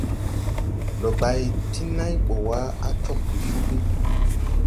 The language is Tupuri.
Ndo bay ti nãy bɔ wa, a cog de cugi.